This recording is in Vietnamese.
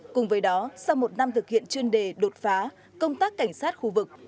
cùng với đó sau một năm thực hiện chuyên đề đột phá công tác cảnh sát khu vực